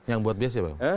yang buat bias ya bang